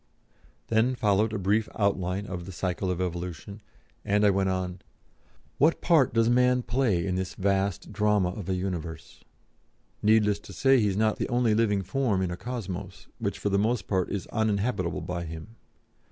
'" Then followed a brief outline of the cycle of evolution, and I went on: "What part does man play in this vast drama of a universe? Needless to say, he is not the only living form in a Cosmos, which for the most part is uninhabitable by him.